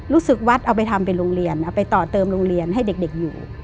วัดเอาไปทำเป็นโรงเรียนเอาไปต่อเติมโรงเรียนให้เด็กอยู่